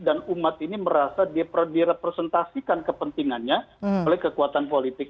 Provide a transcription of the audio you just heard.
dan umat ini merasa direpresentasikan kepentingannya oleh kekuatan politik